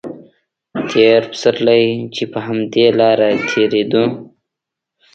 تېر پسرلی چې په همدې لاره تېرېدو.